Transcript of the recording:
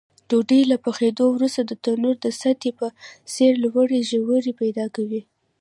ډوډۍ له پخېدلو وروسته د تنور د سطحې په څېر لوړې ژورې پیدا کوي.